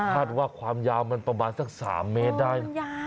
ว่าความยาวมันประมาณสัก๓เมตรได้นะ